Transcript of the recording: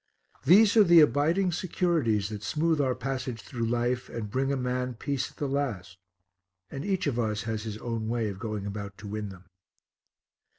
These are the abiding securities that smooth our passage through life and bring a man peace at the last, and each of us has his own way of going about to win them.